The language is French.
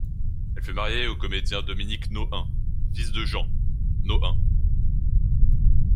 Elle fut mariée au comédien Dominique Nohain, fils de Jean Nohain.